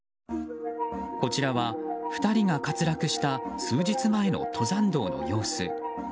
こちらは、２人が滑落した数日前の登山道の様子。